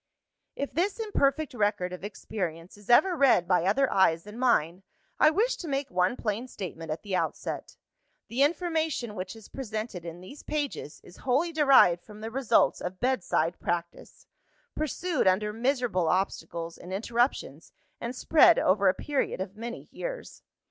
"If this imperfect record of experience is ever read by other eyes than mine, I wish to make one plain statement at the outset. The information which is presented in these pages is wholly derived from the results of bedside practice; pursued under miserable obstacles and interruptions, and spread over a period of many years.